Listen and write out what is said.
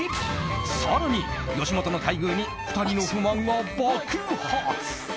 更に吉本の待遇に２人の不満が爆発。